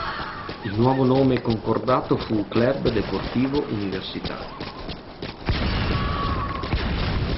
Il nuovo nome concordato fu Club Deportivo Universitario.